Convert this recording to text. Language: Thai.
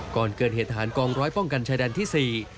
ก่อนเกิดเหตุทหารกองร้อยป้องกันชายแดนที่๔